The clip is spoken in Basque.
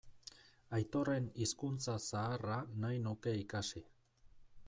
Aitorren hizkuntza zaharra nahi nuke ikasi.